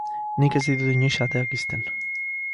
Nik ez ditut inoiz ateak ixten.